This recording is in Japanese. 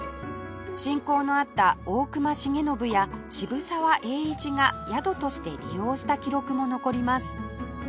親交のあった大隈重信や渋沢栄一が宿として利用した記録も残ります